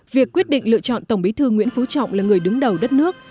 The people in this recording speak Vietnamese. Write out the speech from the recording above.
việc quyết định lựa chọn tổng bí thư nguyễn phú trọng là người đứng đầu đất nước